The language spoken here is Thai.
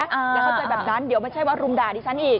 อย่าเข้าใจแบบนั้นเดี๋ยวไม่ใช่ว่ารุมด่าดิฉันอีก